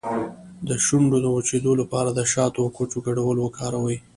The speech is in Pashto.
د شونډو د وچیدو لپاره د شاتو او کوچو ګډول وکاروئ